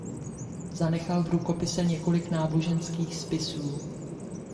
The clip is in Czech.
Zanechal v rukopise několik náboženských spisů.